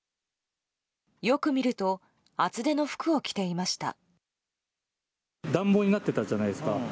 よく見ると厚手の服を着ていました。